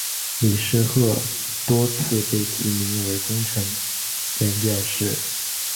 李世鹤多次被提名为工程院院士。